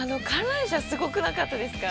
◆観覧車、すごくなかったですか。